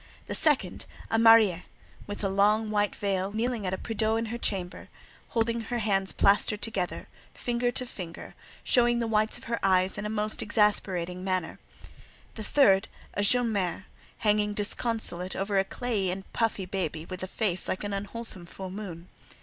The second, a "Mariée," with a long white veil, kneeling at a prie dieu in her chamber, holding her hands plastered together, finger to finger, and showing the whites of her eyes in a most exasperating manner. The third, a "Jeune Mère," hanging disconsolate over a clayey and puffy baby with a face like an unwholesome full moon.